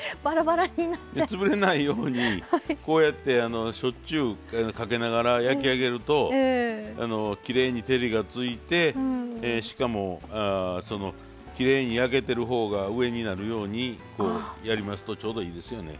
つぶれないようにこうやってしょっちゅうかけながら焼き上げるときれいに照りがついてしかもきれいに焼けてる方が上になるようにやりますとちょうどいいですよね。